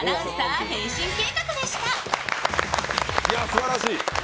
すばらしい。